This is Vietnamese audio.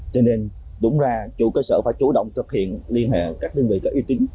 cho nên đúng ra chủ cơ sở phải chủ động thực hiện liên hệ các đơn vị có uy tín